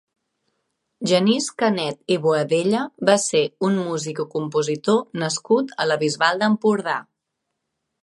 Genís Canet i Boadella va ser un músic i compositor nascut a la Bisbal d'Empordà.